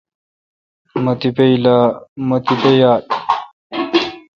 مہ تیپہ یال۔